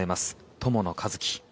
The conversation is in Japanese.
友野一希。